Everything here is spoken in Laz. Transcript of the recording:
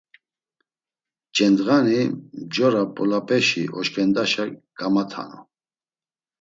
Cendğani, mjora mp̌ulapeşi oşǩendaşa gamatanu.